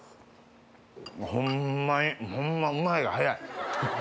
ホンマにホンマうまいが早い。